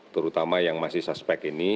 terutama yang masih suspek ini